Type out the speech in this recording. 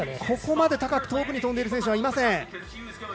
ここまで高く遠くにとんでいる選手はいません。